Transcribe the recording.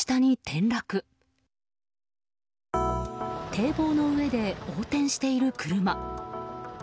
堤防の上で横転している車。